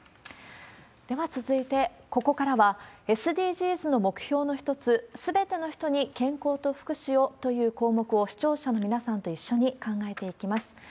では続いて、ここからは、ＳＤＧｓの目標の一つ、すべての人に健康と福祉をという項目を、視聴者の皆さんと一緒に考えていきます。